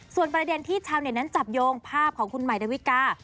ส่วนประเด็นที่ชาวเน็ตนั้นจับโยงภาพของคุณใหม่ดาวิกา